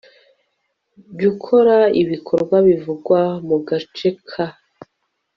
bgukora ibikorwa bivugwa mu gace ka